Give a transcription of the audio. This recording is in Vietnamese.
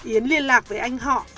yến liên lạc với anh họ